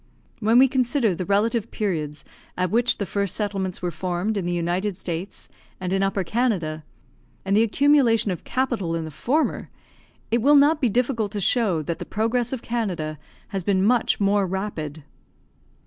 When we consider the relative periods at which the first settlements were formed in the United States and in Upper Canada, and the accumulation of capital in the former, it will not be difficult to show that the progress of Canada has been much more rapid.